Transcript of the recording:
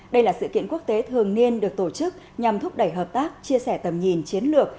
đây là sự kiện quốc tế thường niên được tổ chức nhằm thúc đẩy hợp tác chia sẻ tầm nhìn chiến lược